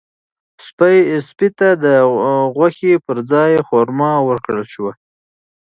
سپي ته د غوښې پر ځای خورما ورکړل شوه.